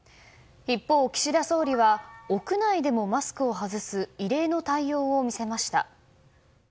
一方、岸田総理は屋内でもマスクを外す異例の対応を見せました。